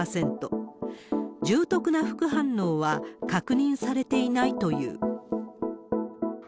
重篤な副反応は確認されていないという。